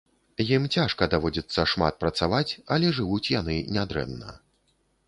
Ім цяжка, даводзіцца шмат працаваць, але жывуць яны нядрэнна.